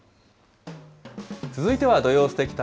続いては土曜すてき旅。